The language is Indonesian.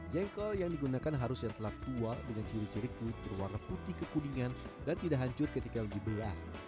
jengkol yang digunakan harus yang telah tua dengan ciri ciri kulit berwarna putih kekuningan dan tidak hancur ketika dibelah